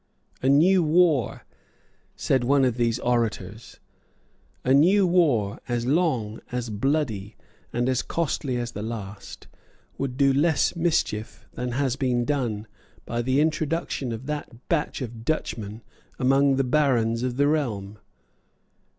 "A new war," said one of these orators, "a new war, as long, as bloody, and as costly as the last, would do less mischief than has been done by the introduction of that batch of Dutchmen among the barons of the realm."